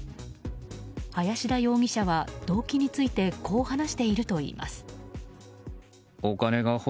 林田容疑者は動機についてこう話しているといいます。